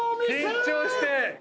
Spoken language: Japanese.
緊張して。